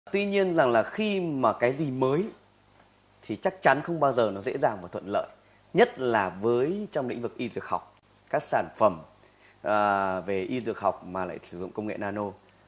tuy nhiên rằng là khi mà cái gì mới thì chắc chắn không bao giờ nó dễ dàng và thuận lợi nhất là với trong lĩnh vực y dược học các sản phẩm về y dược học mà lại sử dụng công nghệ nano